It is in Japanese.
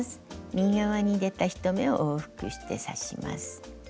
右側に出た１目を往復して刺します。